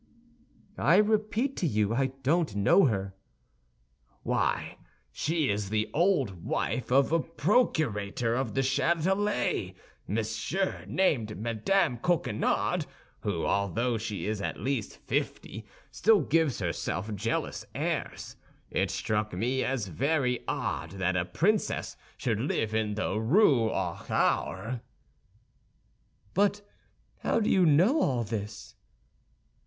"I repeat to you, I don't know her." "Why, she is the old wife of a procurator* of the Châtelet, monsieur, named Madame Coquenard, who, although she is at least fifty, still gives herself jealous airs. It struck me as very odd that a princess should live in the Rue aux Ours." * Attorney "But how do you know all this?"